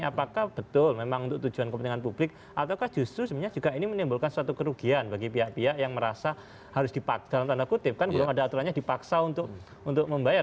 apakah betul memang untuk tujuan kepentingan publik atau justru ini menimbulkan suatu kerugian bagi pihak pihak yang merasa harus dipaksa untuk membayar